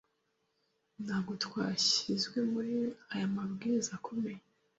natwo twashyizwe muri aya mabwiriza akomeye